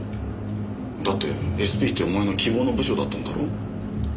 だってＳＰってお前の希望の部署だったんだろう？